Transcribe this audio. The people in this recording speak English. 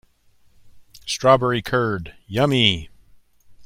Strawberry curd, yummy!